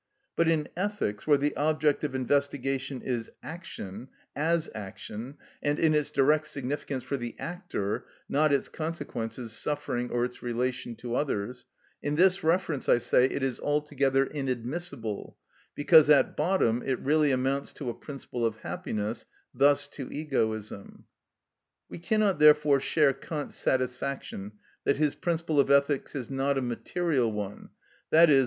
But in ethics, where the object of investigation is action as action, and in its direct significance for the actor—not its consequences, suffering, or its relation to others—in this reference, I say, it is altogether inadmissible, because at bottom it really amounts to a principle of happiness, thus to egoism. We cannot, therefore, share Kant's satisfaction that his principle of ethics is not a material one, _i.e.